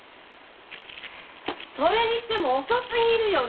それにしても遅すぎるわよ。